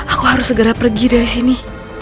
aku harus segera pergi dari sini